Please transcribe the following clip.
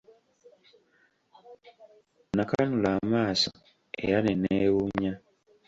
Nakanula amaaso era ne newuunya.